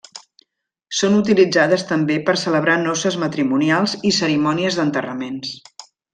Són utilitzades també per celebrar noces matrimonials i cerimònies d'enterraments.